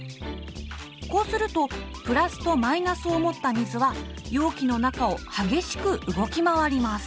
こうするとプラスとマイナスを持った水は容器の中を激しく動き回ります。